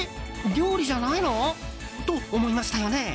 料理じゃないの？と思いましたよね。